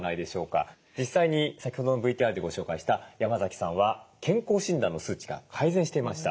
実際に先ほどのＶＴＲでご紹介した山崎さんは健康診断の数値が改善していました。